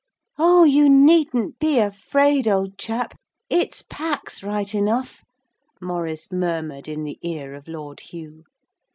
'Oh, you needn't be afraid, old chap. It's Pax right enough,' Maurice murmured in the ear of Lord Hugh.